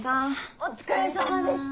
お疲れさまでした！